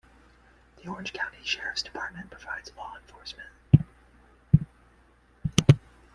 The Orange County Sheriff's Department provides law enforcement.